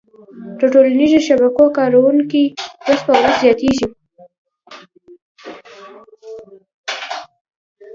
د ټولنیزو شبکو کارونکي ورځ په ورځ زياتيږي